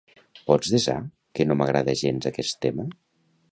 Pots desar que no m'agrada gens aquest tema?